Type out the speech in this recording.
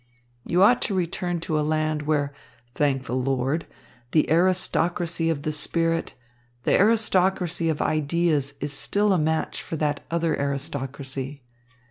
You ought to return to a land where, thank the Lord, the aristocracy of the spirit, the aristocracy of ideas is still a match for that other aristocracy.